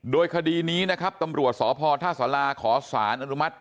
โดยคดีนี้นะครับตำรวจสพท่าสาราขอสารอนุมัติ